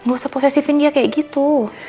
gak usah posesifin dia kayak gitu